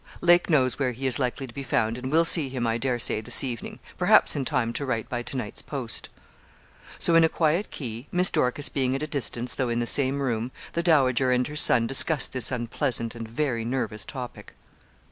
'Lake knows where he is likely to be found, and will see him, I dare say, this evening perhaps in time to write by to night's post.' So, in a quiet key, Miss Dorcas being at a distance, though in the same room, the dowager and her son discussed this unpleasant and very nervous topic.